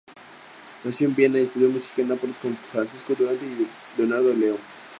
Nació en Viena y estudió música en Nápoles con Francesco Durante y Leonardo Leo.